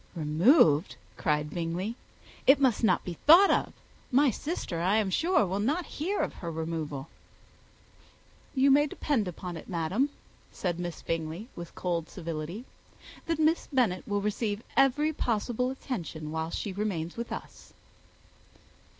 "Removed!" cried Bingley. "It must not be thought of. My sister, I am sure, will not hear of her removal." "You may depend upon it, madam," said Miss Bingley, with cold civility, "that Miss Bennet shall receive every possible attention while she remains with us."